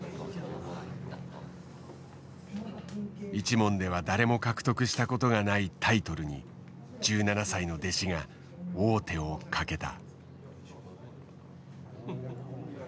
一門では誰も獲得したことがないタイトルに１７歳の弟子が王手をかけた。